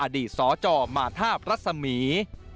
อดีตสอจ่อมาทาบรัศมี